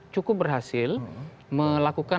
cukup berhasil melakukan